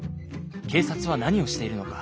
警察は何をしているのか。